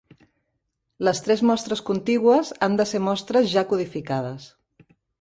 Les tres mostres contigües han de ser mostres ja codificades.